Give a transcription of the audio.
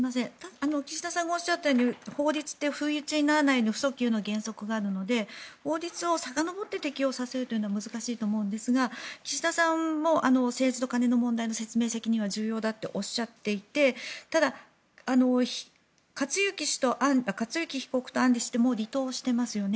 岸田さんがおっしゃったように法律って不意打ちにならないように不遡及の原則があるので法律をさかのぼって適用させるというのは難しいと思うんですが岸田さんも政治と金の問題の説明責任は重要だとおっしゃっていてただ、克行被告と案里氏ってもう離党していますよね。